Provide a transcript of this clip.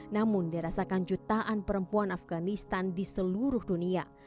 namun dirasakan jutaan perempuan afganistan di seluruh dunia